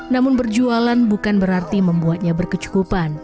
namun berjualan bukan berarti membuatnya berkecukupan